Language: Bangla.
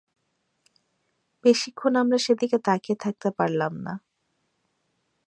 বেশিক্ষণ আমরা সেদিকে তাকিয়ে থাকতে পারলাম না।